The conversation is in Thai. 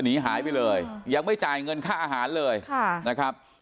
หนีหายไปเลยยังไม่จ่ายเงินค่าอาหารเลยนะครับ